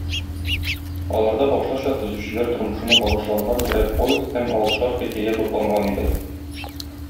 Аларда башлыча төзүчеләр тормышына багышланган берәр повесть һәм алтышар хикәя тупланган иде.